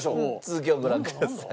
続きをご覧ください。